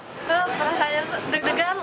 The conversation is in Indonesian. perasaannya deg degan luar kayaknya